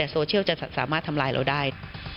โซเชียลจะสามารถทำลายเราได้